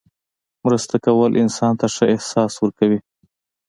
مرسته کول انسان ته ښه احساس ورکوي.